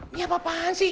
ini apa apaan sih